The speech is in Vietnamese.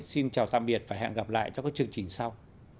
xin chào tạm biệt và hẹn gặp lại trong các chương trình sau